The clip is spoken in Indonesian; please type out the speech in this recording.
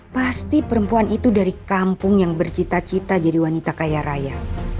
pasti perempuan itu dari kampung yang bercita cita jadi wanita kaya raya